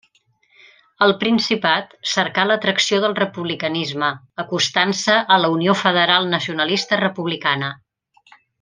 Al Principat, cercà l'atracció del republicanisme, acostant-se a la Unió Federal Nacionalista Republicana.